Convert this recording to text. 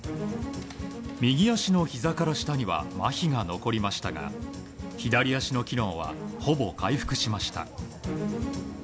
右足のひざから下にはまひが残りましたが左足の機能は、ほぼ回復しました。